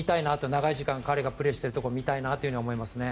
長い時間彼がプレーしているところが見たいなと思いますね。